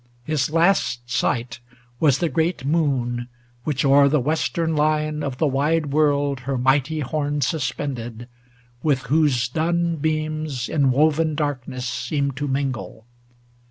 His last sight Was the great moon, which o'er the western line Of the wide world her mighty horn sus pended. With whose dun beams inwoven darkness seemed To mingle.